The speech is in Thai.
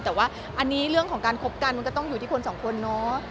แต่ว่าอันนี้เรื่องของการคบกันมันก็ต้องอยู่ที่คนสองคนเนาะ